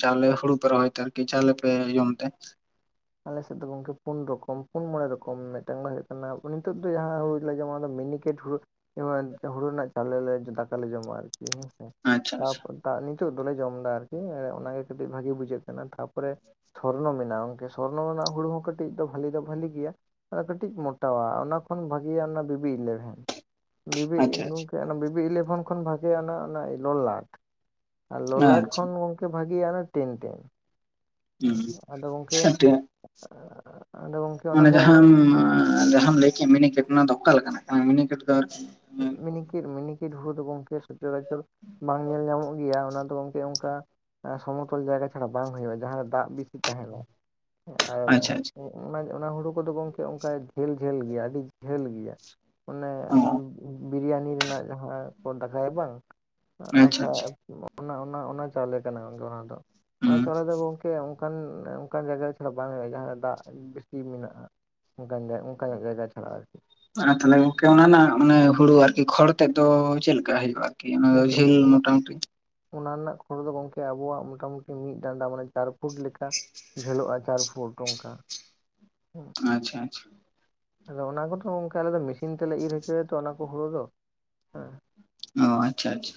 ᱪᱟᱣᱞᱮ ᱦᱩᱲᱩ ᱯᱮ ᱨᱚᱦᱚᱭ ᱛᱮ ᱟᱨᱠᱤ ᱪᱟᱣᱞᱮ ᱯᱮ ᱡᱚᱢ ᱛᱮ ᱟᱞᱮᱥᱮᱫ ᱫᱚ ᱜᱚᱢᱠᱮ ᱯᱩᱱ ᱨᱚᱠᱚᱢ ᱯᱩᱱ ᱢᱚᱬᱮ ᱨᱚᱠᱚᱢ ᱢᱤᱫᱴᱮᱱ ᱫᱚ ᱦᱩᱭᱩᱜ ᱠᱟᱱᱟ ᱱᱤᱛᱳ ᱫᱚ ᱡᱟᱦᱟᱸ ᱦᱩᱲᱩ ᱡᱮ ᱚᱱᱟ ᱫᱚ ᱢᱤᱱᱤ ᱠᱮᱴ ᱦᱩᱲᱩ ᱦᱩᱲᱩ ᱨᱮᱱᱟᱜ ᱪᱟᱣᱞᱮ ᱫᱟᱠᱟ ᱞᱮ ᱡᱚᱢᱟ ᱟᱨᱠᱤ ᱦᱮᱸᱥᱮ ᱟᱪᱪᱷᱟ ᱟᱪᱪᱷᱟ ᱛᱟᱨᱯᱚᱨᱮ ᱱᱤᱛᱚᱜ ᱫᱚᱞᱮ ᱡᱚᱢ ᱮᱫᱟ ᱟᱨᱠᱤ ᱚᱱᱟᱜᱮ ᱠᱟᱹᱴᱤᱡ ᱵᱷᱟᱜᱤ ᱵᱩᱡᱷᱟᱹᱜ ᱠᱟᱱᱟ ᱛᱟᱯᱚᱨᱮ ᱥᱚᱨᱱᱚ ᱢᱮᱱᱟᱜᱼᱟ ᱚᱱᱠᱮ ᱥᱚᱨᱱᱚ ᱨᱮᱱᱟᱜ ᱦᱩᱲᱩ ᱦᱚᱸ ᱠᱟᱹᱴᱤᱡ ᱫᱚ ᱵᱟᱹᱞᱮ ᱫᱚ ᱵᱟᱹᱞᱤ ᱜᱮᱭᱟ ᱠᱟᱹᱴᱤᱡ ᱢᱳᱴᱟᱣᱟ ᱚᱱᱟ ᱠᱷᱚᱱ ᱵᱷᱟᱜᱮᱭᱟ ᱚᱱᱟ ᱵᱤᱵᱤ ᱮᱞᱮᱣᱮᱱ ᱵᱤᱵᱤ ᱟᱪᱪᱷᱟ ᱜᱚᱢᱠᱮ ᱵᱤᱵᱤ ᱤᱞᱮᱵᱷᱮᱱ ᱠᱷᱚᱱ ᱵᱷᱟᱜᱮ ᱚᱱᱟ ᱚᱱᱟ ᱞᱳ ᱞᱟᱴ ᱟᱨ ᱞᱚᱞᱟᱴ ᱟᱪᱪᱷᱟ ᱠᱷᱚᱱ ᱜᱚᱝᱠᱮ ᱵᱷᱟᱹᱜᱮᱤᱭᱟ ᱴᱮᱱ ᱴᱮᱱ ᱟᱫᱚ ᱜᱚᱝᱠᱮ ᱟᱪᱪᱷᱟ ᱟᱫᱚ ᱜᱚᱝᱠᱮ ᱚᱱᱟ ᱚᱱᱮ ᱠᱚ ᱚᱱᱟ ᱡᱟᱦᱟᱸᱢ ᱡᱟᱦᱟᱸᱢ ᱞᱟᱹᱭ ᱠᱮᱫ ᱢᱤᱱᱤ ᱠᱷᱮᱛ ᱚᱱᱟ ᱫᱚ ᱚᱠᱟ ᱞᱮᱠᱟᱱᱟᱜ ᱠᱟᱱᱟ ᱢᱤᱱᱤ ᱠᱷᱮᱛ ᱫᱚ ᱟᱨ ᱠᱤ ᱢᱤᱱᱤᱠᱤᱴ ᱢᱤᱱᱤᱠᱤᱴ ᱦᱩᱲ ᱫᱚ ᱜᱚᱝᱠᱮ ᱥᱚᱪᱚᱨᱟᱪᱚᱨ ᱵᱟᱝ ᱧᱮᱞ ᱧᱟᱢᱚᱜ ᱜᱮᱭᱟ ᱚᱱᱟ ᱫᱚ ᱜᱚᱝᱠᱮ ᱥᱮ ᱚᱱᱠᱟ ᱥᱚᱢᱚᱛᱚᱞ ᱡᱟᱭᱜᱟ ᱪᱷᱟᱲᱟ ᱵᱟᱝ ᱦᱩᱭᱩᱜᱼᱟ ᱡᱟᱦᱟᱸ ᱨᱮ ᱫᱟᱜ ᱵᱮᱥᱤ ᱛᱟᱦᱮᱱᱚᱜ ᱟᱨ ᱟᱪᱪᱷᱟ ᱚᱜ ᱟᱪᱪᱷᱟ ᱚᱜᱼᱼ ᱚᱱᱟ ᱚᱱᱟ ᱦᱩᱲᱩ ᱠᱚᱫᱚ ᱜᱚᱝᱠᱮ ᱚᱱᱠᱟ ᱡᱷᱟᱹᱞ ᱡᱷᱟᱹᱞ ᱜᱮᱭᱟ ᱟᱹᱰᱤ ᱡᱷᱟᱹᱞ ᱜᱮᱭᱟ ᱟᱱᱮ ᱚ ᱵᱤᱨᱤᱭᱟᱱᱤ ᱨᱮᱱᱟᱜ ᱡᱟᱦᱟᱸ ᱠᱚ ᱫᱟᱠᱟᱭᱟ ᱵᱟᱝ ᱟᱪᱪᱷᱟ ᱟᱪᱪᱷᱟ ᱚᱱᱟ ᱚᱱᱟ ᱚᱱᱟ ᱪᱟᱣᱞᱮ ᱠᱟᱱᱟ ᱜᱚᱝᱠᱮ ᱚᱱᱟ ᱫᱚ ᱚᱱᱟ ᱦᱩᱸ ᱪᱟᱣᱞᱮ ᱫᱚ ᱜᱚᱝᱠᱮ ᱚᱱᱠᱟᱱ ᱚᱱᱠᱟᱱ ᱡᱟᱭᱜᱟ ᱪᱷᱟᱲᱟ ᱵᱟᱝ ᱦᱩᱭᱩᱜᱼᱟ ᱡᱟᱦᱟᱸ ᱫᱟᱜ ᱵᱮᱥᱤ ᱢᱮᱱᱟᱜᱼᱟ ᱚᱱᱠᱟᱱ ᱚᱱᱠᱟᱱ ᱡᱟᱭᱜᱟ ᱪᱷᱟᱲᱟᱟᱜᱼᱟ ᱟᱨᱠᱤ ᱟᱨ ᱛᱟᱦᱚᱞᱮ ᱠ ᱚᱱᱟ ᱦᱩᱲᱩ ᱟᱨᱠᱤ ᱠᱷᱚᱲ ᱛᱮᱫ ᱫᱚ ᱪᱮᱫ ᱞᱮᱠᱟ ᱦᱤᱡᱩᱜᱼᱟ ᱜᱚᱢᱠᱮ ᱚᱱᱟ ᱚᱱᱟ ᱨᱮᱱᱟᱜ ᱠᱷᱚᱨᱚ ᱫᱚ ᱜᱚᱝᱠᱮ ᱟᱵᱚᱣᱟᱜ ᱢᱚᱴᱟᱢᱩᱴᱤ ᱢᱤᱫ ᱰᱟᱱᱰᱟ ᱢᱟᱱᱮ ᱪᱟᱨ ᱯᱷᱩᱴ ᱞᱮᱠᱟ ᱡᱷᱮᱞᱚᱜᱼᱟ ᱪᱟᱨ ᱯᱷᱩᱴ ᱚᱱᱠᱟ ᱦᱮᱸ ᱟᱪᱪᱷᱟ ᱟᱪᱷᱟ ᱟᱫᱚ ᱚᱱᱟ ᱠᱚᱫᱚ ᱚᱝᱠᱟ ᱟᱞᱮ ᱫᱚ ᱢᱤᱥᱤᱱ ᱛᱮᱞᱮ ᱤᱨ ᱦᱚᱪᱚᱭᱟ ᱛᱚ ᱚᱱᱟ ᱠᱚ ᱦᱩᱲᱩ ᱫᱚ ᱦᱮᱸ ᱚ ᱟᱪᱪᱷᱟ ᱟᱪᱪᱷᱟ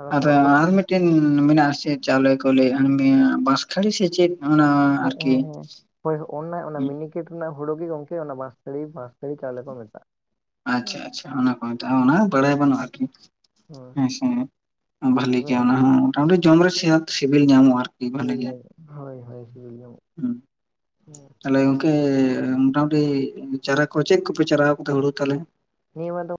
ᱟᱫᱚ ᱟᱨ ᱠᱷᱚᱲ ᱠᱚ ᱟᱨ ᱢᱤᱫ ᱴᱤᱱ ᱢᱮᱱᱟᱜ ᱟᱥᱮ ᱪᱟᱣᱞᱮ ᱠᱚ ᱞᱟᱹᱭᱟ [unintelligible] ᱵᱟᱥ ᱠᱷᱟᱲᱮ ᱥᱮ ᱪᱮᱫ ᱦᱱᱟ [unintelligible] ᱦᱮᱸ ᱦᱮᱸ ᱦᱮᱸ ᱦᱳᱭ ᱚᱱᱟ ᱚᱱᱟ ᱢᱤᱱᱤ ᱠᱷᱮᱛ ᱨᱮᱱᱟᱜ ᱦᱩᱲᱩ ᱜᱮ ᱜᱚᱝᱠᱮ ᱚᱱᱟ ᱵᱟᱥᱛᱲᱤ ᱵᱟᱥᱛᱟᱲᱤ ᱪᱟᱣᱞᱮ ᱠᱚ ᱢᱮᱟᱜᱼᱟ ᱟᱪᱪᱷᱟ ᱟᱪᱪᱷᱟ ᱚᱱᱟ ᱠᱚ ᱢᱮᱛᱟᱜᱼᱟ᱾ ᱚᱱᱟ ᱵᱟᱲᱟᱭ ᱵᱟᱹᱱᱩᱜᱼᱟ ᱟᱨᱠᱤ᱾ ᱦᱳᱭ ᱦᱮᱸᱥᱮ ᱚᱱᱟ ᱵᱷᱟᱞᱤ ᱠᱚᱜᱮ ᱜᱮᱭᱟ ᱚᱱᱟ ᱦᱚᱸ ᱢᱚᱴᱟᱢᱩᱴᱤ ᱡᱚᱢ ᱨᱮ ᱥᱤᱵᱤᱞ ᱧᱟᱢᱚᱜᱼᱟ ᱟᱨᱠᱤ᱾ ᱵᱷᱟᱞᱤ ᱜᱮ [unintelligible] ᱦᱳᱭ ᱦᱳᱭ ᱥᱤᱵᱤᱞ ᱧᱟᱢᱚᱜᱼᱟ ᱦᱩᱸ [inaudible] ᱛᱟᱦᱞᱮ ᱜᱚᱢᱠᱮ ᱢᱚᱴᱟᱢᱩᱴᱤ ᱪᱟᱨᱟ ᱠᱚ ᱪᱮᱫ ᱠᱚᱯᱮ ᱪᱟᱨᱟᱣ ᱟᱠᱟᱫᱟ ᱦᱩᱲᱩ ᱛᱟᱦᱞᱮ ᱱᱤᱭᱟᱹ ᱵᱟᱨ ᱫᱚ